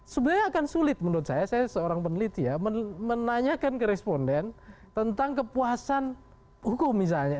sebenarnya akan sulit menurut saya saya seorang peneliti ya menanyakan ke responden tentang kepuasan hukum misalnya